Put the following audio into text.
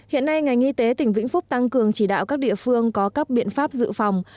hiện nay ngành y tế tỉnh vĩnh phúc tăng cường chỉ đạo các địa phương có các biện pháp dự phòng